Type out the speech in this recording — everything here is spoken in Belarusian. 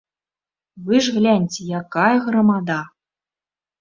Вы ж гляньце, якая грамада.